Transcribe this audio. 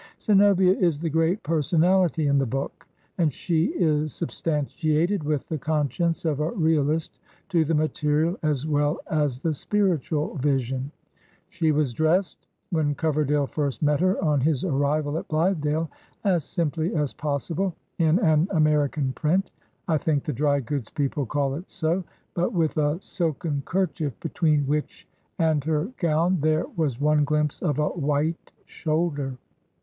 Zenobia is the great personality in the book, and she is substantiated with the conscience of a realist to the material as well as the spiritual vision. "She was dressed/' when Coverdale first met her on his arrival at Blithedale, "as simply as possible, in an American print (I think the dry goods people call it so), but with a silken kerchief, between which and her gown there was one glimpse of a white shoulder.